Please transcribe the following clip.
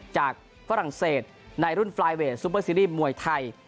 จากฝรั่งเศษในรุ่นสูเปอร์ซีรีส์มวยไทย